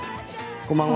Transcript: こんばんは。